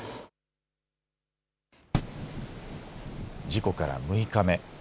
事故から６日目。